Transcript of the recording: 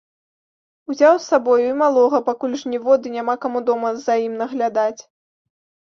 Узяў з сабою і малога, пакуль жніво ды няма каму дома за ім наглядаць.